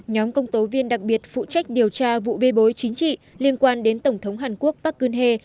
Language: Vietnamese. nhóm công tố viên đặc biệt phụ trách điều tra vụ bê bối chính trị liên quan đến tổng thống hàn quốc park kun he